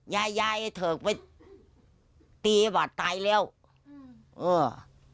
ยายยายไอ้เถิกไปตีบาดตายแล้วอื้อ